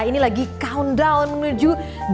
ini lagi countdown menuju dua ribu dua puluh tiga